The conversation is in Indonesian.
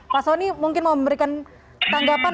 pak soni mungkin mau memberikan tanggapan